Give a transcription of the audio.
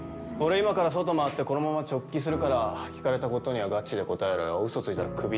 今から外回ってこのまま直帰するから聞かれたことにはガチで答えろよウソついたらクビな